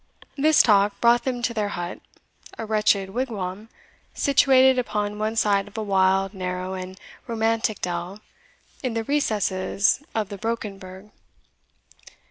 This talk brought them to their hut, a wretched wigwam, situated upon one side of a wild, narrow, and romantic dell, in the recesses of the Brockenberg.